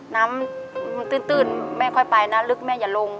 น้ำมันตื้นแม่ค่อยไปนะลึกแม่อย่าลง